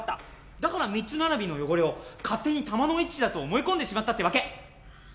だから３つ並びの汚れを勝手に弾の位置だと思い込んでしまったってわけ。